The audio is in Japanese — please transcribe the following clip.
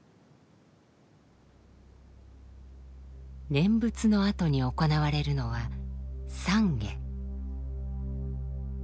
念仏のあとに行われるのは「散華」。